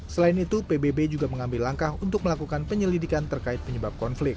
selain itu pbb juga mengambil langkah untuk melakukan penyelidikan terkait penyebab konflik